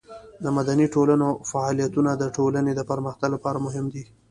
د مدني ټولنې فعالیتونه د ټولنې د پرمختګ لپاره مهم دي.